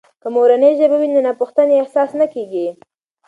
که مورنۍ ژبه وي، نو ناپښتنې احساس نه کیږي.